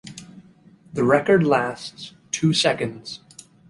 The record lasts two seconds.